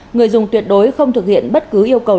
người dùng tuyệt đối không thực hiện bất cứ yêu cầu nào